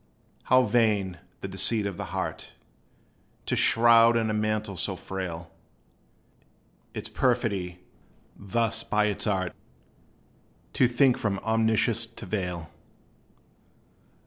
How vain, the deceit of the heart To shroud in a mantle so frail! Its perfidy, thus by its art. To think from Omniscience to veil!